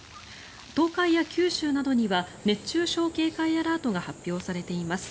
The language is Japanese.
東海や九州などには熱中症警戒アラートが発表されています。